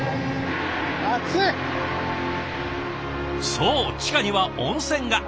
そう地下には温泉が。